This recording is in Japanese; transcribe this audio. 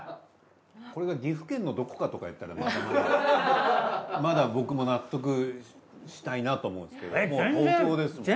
これが岐阜県のどこかとかいったらまだ僕も納得したいなと思うんですけど東京ですもんね。